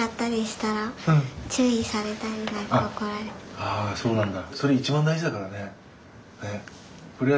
ああそうなんだ。